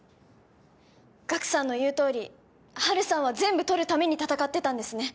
ガクさんの言うとおりハルさんは全部取るために戦ってたんですね